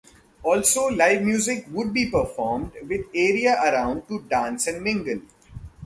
Also live music would be performed with area around to dance and mingle.